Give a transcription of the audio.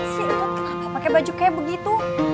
si antut kenapa pakai baju kayak begitu